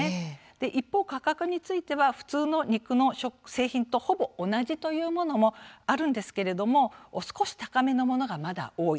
一方、価格については普通の肉の製品とほぼ同じというものもあるんですけれども少し高めのものがまだ多い。